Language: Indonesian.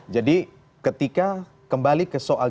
jadi ketika kembali ke soal